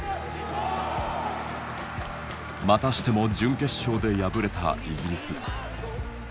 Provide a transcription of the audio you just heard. またしても準決勝で敗れたイギリス。